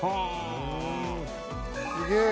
すげえ！